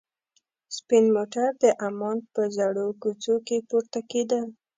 سپین موټر د عمان په زړو کوڅو کې پورته کېده.